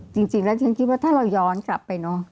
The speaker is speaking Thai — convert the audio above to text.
จริงแล้วฉันคิดว่าถ้าเราย้อนกลับไปเนอะ